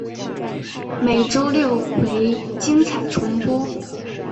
每周六为精彩重播。